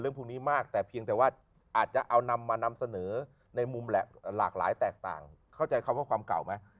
พวกนี้มากแต่เพียงแต่ว่าอาจจะเอานำมานำเสนอในมุมหลากหลายแตกต่างเข้าใจคำว่าความเก่าไหม